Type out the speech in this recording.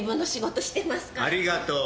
ありがとう。